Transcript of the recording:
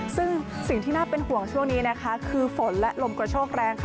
ซึ่งสิ่งที่น่าเป็นห่วงช่วงนี้นะคะคือฝนและลมกระโชกแรงค่ะ